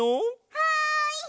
はい！